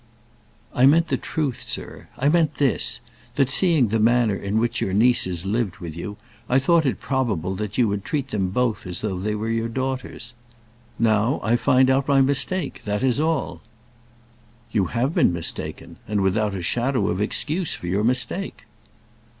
"I meant the truth, sir; I meant this that seeing the manner in which your nieces lived with you, I thought it probable that you would treat them both as though they were your daughters. Now I find out my mistake; that is all!" "You have been mistaken, and without a shadow of excuse for your mistake."